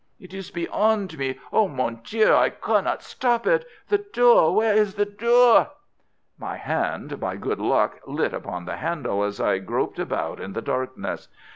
"It is beyond me. Oh, mon Dieu, I cannot stop it. The door! Where is the door?" My hand, by good luck, lit upon the handle as I groped about in the darkness.